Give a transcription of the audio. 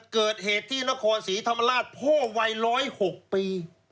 เกิดเหตุที่นครศรีธรรมราชพ่อวัย๑๐๖ปี